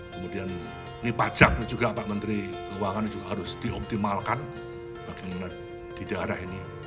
kemudian ini pajak juga pak menteri keuangan juga harus dioptimalkan bagaimana di daerah ini